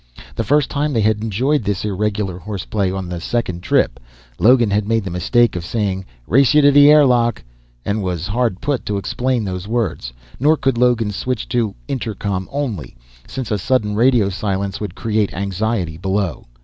The first time they had enjoyed this irregular horseplay, on the second trip, Logan had made the mistake of saying, "Race you to the air lock!", and was hard put to explain those words. Nor could Logan switch to "intercom only," since a sudden radio silence would create anxiety below.